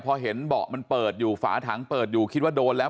พอเห็นเบาะมันเปิดอยู่ฝาถังเปิดอยู่คิดว่าโดนแล้ว